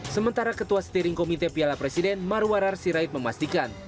sementara ketua steering komite piala presiden marwarar sirait memastikan